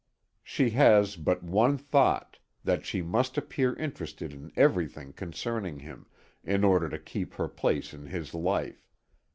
She has but one thought: that she must appear interested in everything concerning him, in order to keep her place in his life.